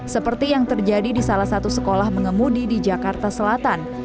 seperti yang terjadi di salah satu sekolah mengemudi di jakarta selatan